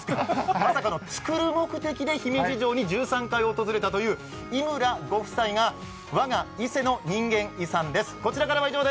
まさかの作る目的で姫路城に訪れたという井村ご夫妻が、我が伊勢の人間遺産です。